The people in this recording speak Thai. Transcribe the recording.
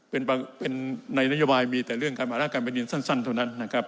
เป็นในนัยอยบายมีแต่เรื่องการแผ่นด้านการแผ่นดื่มสั้นเท่านั้นนะครับ